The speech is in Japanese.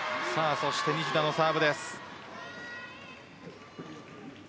そして西田のサーブです。